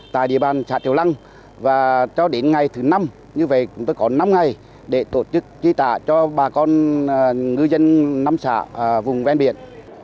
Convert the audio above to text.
tại địa bàn xã triều lăng và cho đến ngày thứ năm như vậy chúng tôi có năm ngày để tổ chức tri trả cho bà con ngư dân năm xã vùng ven biển